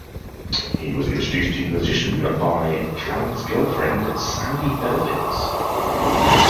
He was introduced to the musician by Cal's girlfriend Sandy Hurvitz.